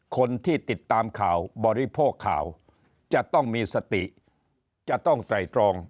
คนที่ติดตามข่าวบริโภคข่าวจะต้องมีสติจะต้องไตรตรอง